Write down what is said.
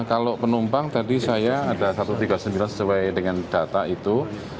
kalau penumpang tadi saya ada satu ratus tiga puluh sembilan sesuai dengan data itu